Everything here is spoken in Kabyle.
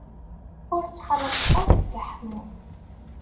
Ur ttxalaḍet ara Dda Ḥemmu.